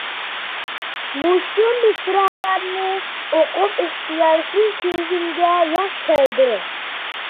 مۇشۇ مىسرالارنى ئۇقۇپ ئىختىيارسىز كۈزۈمگە ياش كەلدى.